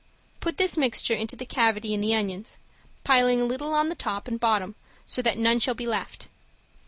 Put this mixture into the cavity in the onions, piling a little on the top and bottom so that none shall be left.